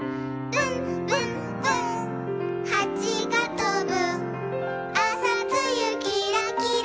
「ぶんぶんぶんはちがとぶ」